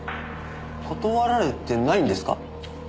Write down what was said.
断られてないんですか？